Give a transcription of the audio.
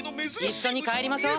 一緒に帰りましょう。